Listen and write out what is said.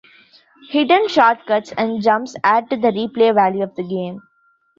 Hidden shortcuts and jumps add to the replay value of the game.